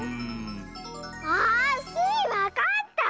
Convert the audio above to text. あ！スイわかった！